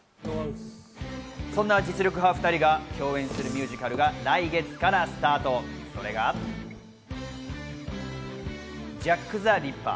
そんな実力派２人が共演するミュージカルが来月からスタート、それが『ジャック・ザ・リッパー』。